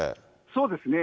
そうですね。